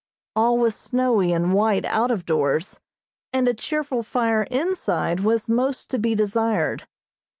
All was snowy and white out of doors, and a cheerful fire inside was most to be desired.